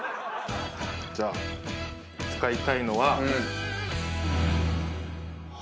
じゃあ使いたいのは。